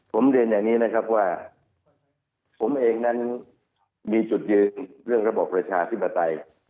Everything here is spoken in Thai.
ผมเรียนอย่างนี้นะครับว่าผมเองนั้นมีจุดยืนเรื่องระบบประชาธิปไตย